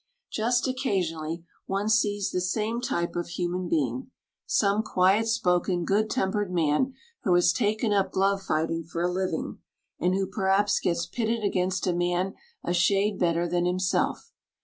Just occasionally one sees the same type of human being some quiet spoken, good tempered man who has taken up glove fighting for a living, and who, perhaps, gets pitted against a man a shade better than himself.